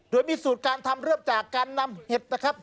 โดยมีสูตรการทำเริ่มจากการนำเห็ดนะครับ